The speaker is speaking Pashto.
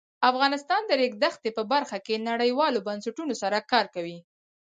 افغانستان د د ریګ دښتې په برخه کې نړیوالو بنسټونو سره کار کوي.